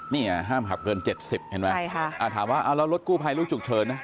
นี่ห้ามขับเกิน๗๐เห็นไหมถามว่าแล้วรถกู้ภัยลูกจุกเชิญนะ